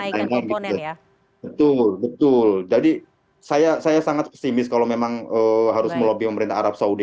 betul betul jadi saya sangat pesimis kalau memang harus melobi pemerintah arab saudi